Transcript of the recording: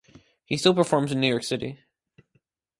He still performs in New York City.